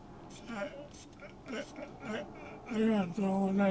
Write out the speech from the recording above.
はい。